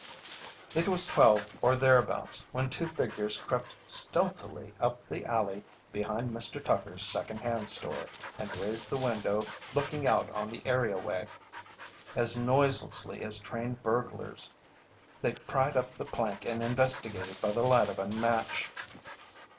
It was twelve or thereabouts when two figures crept stealthily up the alley behind Mr. Tucker's Second Hand Store and raised the window looking out on the areaway. As noiselessly as trained burglars they pried up the plank and investigated by the light of a match.